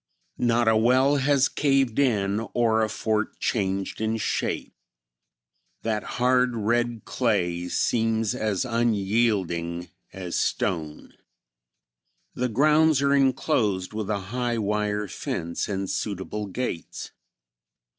Not a well has caved in or a fort changed in shape. That hard, red clay seems as unyielding as stone. The grounds are inclosed with a high wire fence and suitable gates.